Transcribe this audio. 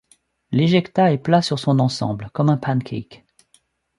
L'ejecta est plat sur son ensemble, comme un pancake.